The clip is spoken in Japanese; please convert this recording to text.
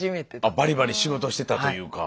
バリバリ仕事してたというか。